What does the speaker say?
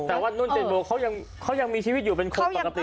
แต่ว่านุ่นเจนโบเขายังมีชีวิตอยู่เป็นคนปกติ